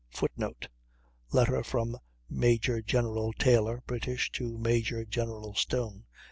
[Footnote: Letter from Major General Taylor (British) to Major General Stone.